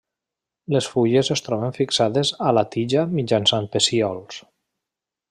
Les fulles es troben fixades a la tija mitjançant pecíols.